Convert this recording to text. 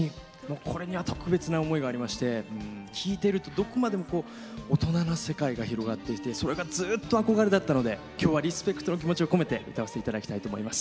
これには特別な思いがありまして聴いているとどこまでも大人な世界が広がっていてそれがずっと憧れだったので今日はリスペクトの気持ちを込めて歌わせていただきたいと思います。